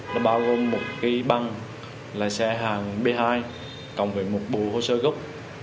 nó bao gồm một cái băng là xe hàng b hai cộng với một bộ hồ sơ gốc